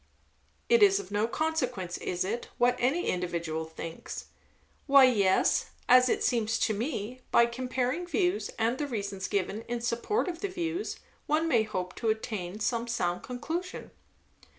"It is of no consequence, is it, what any individual thinks?" "Why yes, as it seems to me. By comparing views and the reasons given in support of the views, one may hope to attain some sound conclusion."